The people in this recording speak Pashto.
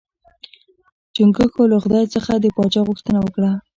چنګښو له خدای څخه د پاچا غوښتنه وکړه.